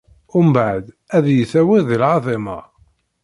Mbeɛd, ad iyi-tawiḍ di lɛaḍima.